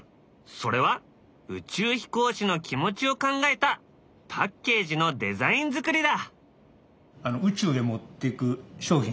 それは宇宙飛行士の気持ちを考えたパッケージのデザイン作りだ。